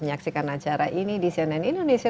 menyaksikan acara ini di cnn indonesia